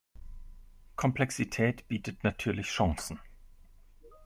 Komplexität bietet natürlich Chancen.